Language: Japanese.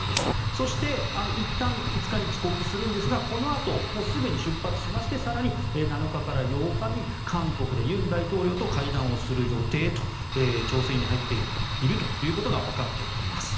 そして、いったん５日に帰国するんですがこのあと、すぐに出発して更に７日から８日に韓国で尹錫悦大統領と会談をする予定と調整に入っているということがわかっています。